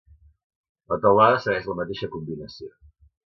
La teulada segueix la mateixa combinació.